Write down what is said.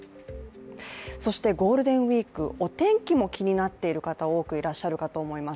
そして、ゴールデンウイーク、お天気も気になってる方、多くいらっしゃると思います。